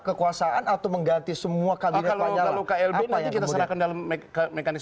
kekuasaan atau mengganti semua